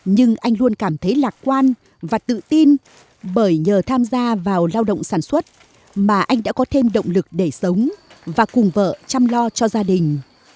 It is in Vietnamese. nhưng anh luôn cảm thấy lạc quan và tự tin bởi nhờ tham gia vào lao động sản xuất mà anh đã có thêm động lực để sống và cùng vợ chăm lo cho gia đình